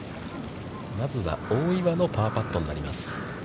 まずは大岩のパーパットになります。